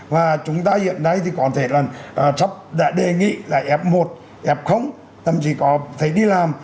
và chúng ta hiện nay thì có thể là sắp đã đề nghị là f một f thậm chí có thấy đi làm